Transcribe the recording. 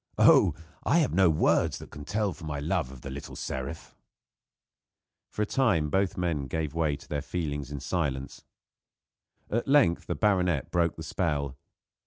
Oh! I have no words that can tell my love for the little seraph." For a time both the men gave way to their feelings in silence. At length the baronet broke the spell.